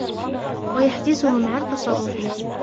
وَيَحْجِزُهُمْ عَنْ تَصَرُّفِهِمْ